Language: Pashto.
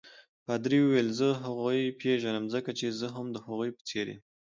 پادري وویل: زه هغوی پیژنم ځکه چې زه هم د هغوی په څېر یم.